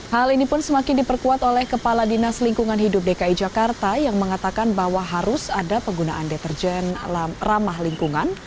hal ini pun semakin diperkuat oleh kepala dinas lingkungan hidup dki jakarta yang mengatakan bahwa harus ada penggunaan deterjen ramah lingkungan